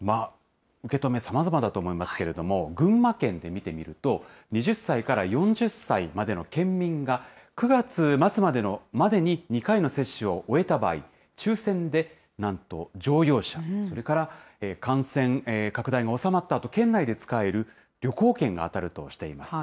受け止め、さまざまだと思いますけれども、群馬県で見てみると、２０歳から４０歳までの県民が、９月末までに２回の接種を終えた場合、抽せんでなんと乗用車、それから感染拡大が収まったあと、県内で使える旅行券が当たるとしています。